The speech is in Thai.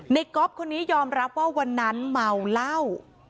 ก๊อฟคนนี้ยอมรับว่าวันนั้นเมาเหล้า